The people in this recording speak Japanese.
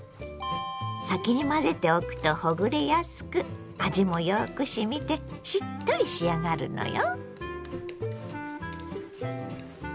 先に混ぜておくとほぐれやすく味もよくしみてしっとり仕上がるのよ。